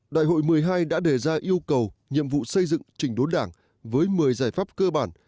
đại hội một mươi hai đã đề ra yêu cầu nhiệm vụ xây dựng trình đốn đảng với một mươi giải pháp cơ bản